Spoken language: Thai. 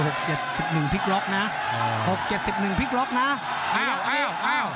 เจ็ดสิบหนึ่งพลิกล็อกนะอ่าหกเจ็ดสิบหนึ่งพลิกล็อกนะอ้าวอ้าวอ้าวอ้าวอ้าว